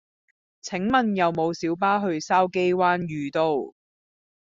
請問有無小巴去筲箕灣譽都